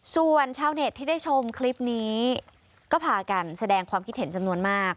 ส่วนชาวเน็ตที่ได้ชมคลิปนี้ก็พากันแสดงความคิดเห็นจำนวนมาก